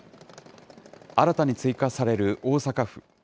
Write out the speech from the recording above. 新たに追加される大阪府。